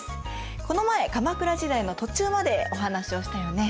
この前鎌倉時代の途中までお話をしたよね。